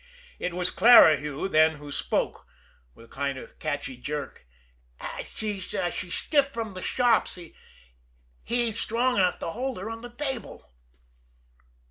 It was Clarihue then who spoke with a kind of catchy jerk: "She's stiff from the shops. He ain't strong enough to hold her on the 'table."